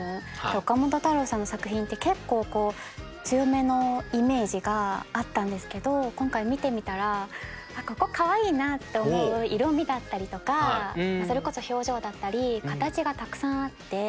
岡本太郎さんの作品って結構強めのイメージがあったんですけど今回見てみたらここかわいいなって思う色みだったりとかそれこそ表情だったり形がたくさんあって。